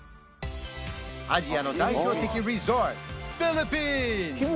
アジアの代表的リゾート日村